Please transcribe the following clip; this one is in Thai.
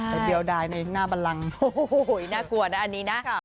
ใช่ค่ะเดี๋ยวได้ในหน้าบัลลังก์โอ้โฮน่ากลัวนะอันนี้นะ